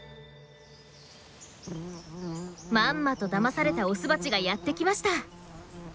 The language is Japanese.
まんまとだまされたオスバチがやって来ました。